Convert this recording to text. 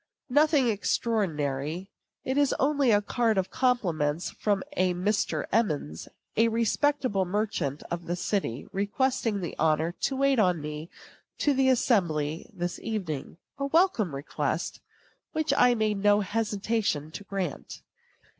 Nothing extraordinary; it is only a card of compliments from a Mr. Emmons, a respectable merchant of this city, requesting the honor to wait on me to the assembly this evening a welcome request, which I made no hesitation to grant.